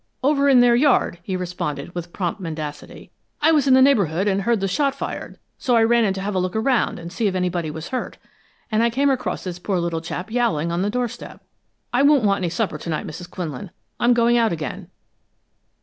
"Over in their yard," he responded, with prompt mendacity. "I was in the neighborhood and heard the shot fired, so I ran in to have a look around and see if anyone was hurt, and I came across this poor little chap yowling on the doorstep. I won't want any supper to night, Mrs. Quinlan. I'm going out again."